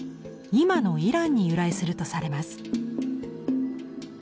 今のイランに由来するとされます。